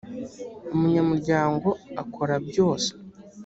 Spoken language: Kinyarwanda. umunyamuryango akora byose